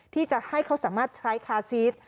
ที่จะให้เขาสามารถใช้คาซีส